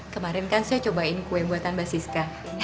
kemarin kan saya cobain kue buatan mbak siska